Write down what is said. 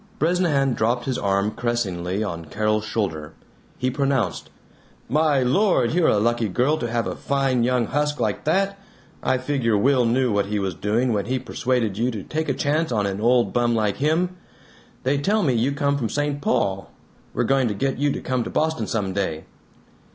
Bresnahan dropped his arm caressingly on Carol's shoulder; he pronounced, "My Lord, you're a lucky girl to have a fine young husk like that. I figure Will knew what he was doing when he persuaded you to take a chance on an old bum like him! They tell me you come from St. Paul. We're going to get you to come to Boston some day."